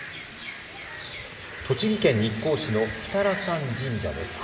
栃木県日光市の二荒山神社です。